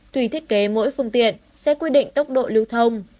tuy thiết kế mỗi phương tiện sẽ quy định tốc độ lưu thông